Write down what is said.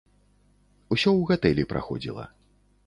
Усё ў гатэлі праходзіла.